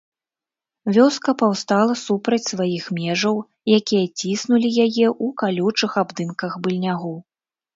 Вёска паўстала супраць сваіх межаў, якія ціснулі яе ў калючых абдымках быльнягу.